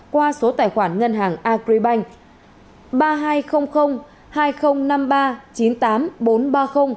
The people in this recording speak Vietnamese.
qua số tài khoản ngân hàng agribank